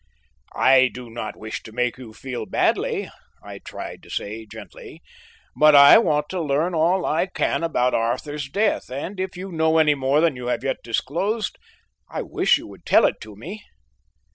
"I do not wish to make you feel badly," I tried to say gently, "but I want to learn all I can about Arthur's death and if you know any more than you have yet disclosed, I wish you would tell it to me."